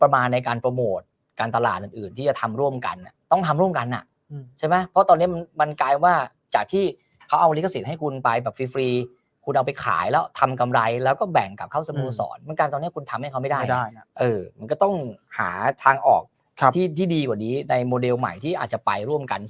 ไม่การหาทางออกที่ดีกว่านี้ในโมเดลใหม่ที่อาจจะไปร่วมกัน